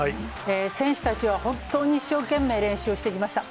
選手たちは本当に一生懸命練習をしてきました。